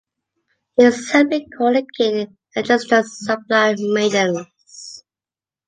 He is simply called the "King" in Aeschylus's "Suppliant Maidens".